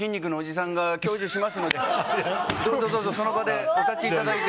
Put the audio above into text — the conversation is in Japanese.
どうぞ、その場でお立ちいただいて。